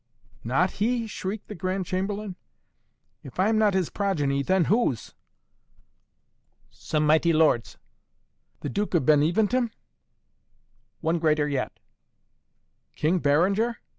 "Not he?" shrieked the Grand Chamberlain. "If I am not his progeny, then whose?" "Some mighty lord's." "The Duke of Beneventum?" "One greater yet." "King Berengar?"